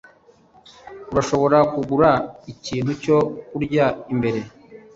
Urashobora kugura ikintu cyo kurya imbere?